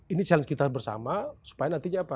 ini challenge kita bersama supaya nantinya apa